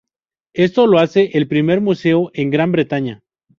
Esto lo hace el primer museo en Gran Bretaña.